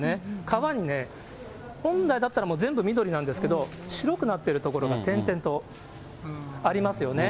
皮にね、本来だったら全部緑なんですけど、白くなってる所が点々とありますよね。